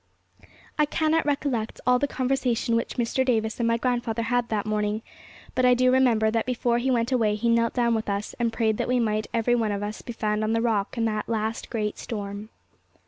I cannot recollect all the conversation which Mr. Davis and my grandfather had that morning, but I do remember that before he went away he knelt down with us, and prayed that we might every one of us be found on the Rock in that last great storm.